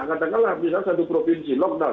katakanlah misalnya satu provinsi lockdown